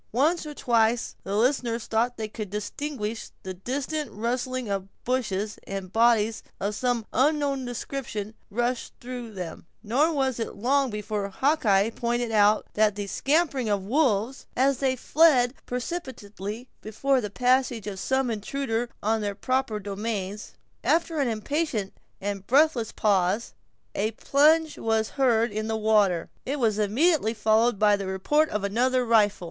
Once or twice the listeners thought they could distinguish the distant rustling of bushes, as bodies of some unknown description rushed through them; nor was it long before Hawkeye pointed out the "scampering of the wolves," as they fled precipitately before the passage of some intruder on their proper domains. After an impatient and breathless pause, a plunge was heard in the water, and it was immediately followed by the report of another rifle.